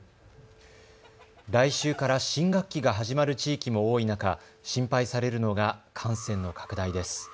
来週から新学期が始まる地域も多い中、心配されるのが感染の拡大です。